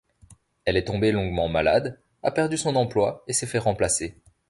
Elle est tombée longuement malade, a perdu son emploi et s’est fait remplacer.